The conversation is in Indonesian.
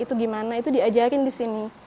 itu gimana itu diajarin di sini